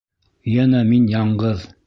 Йәнә мин яңғыҙ!